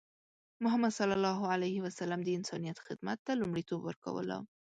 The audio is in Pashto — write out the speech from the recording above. محمد صلى الله عليه وسلم د انسانیت خدمت ته لومړیتوب ورکوله.